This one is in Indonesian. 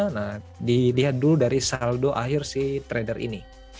nah dilihat dulu dari saldo akhir si trader ini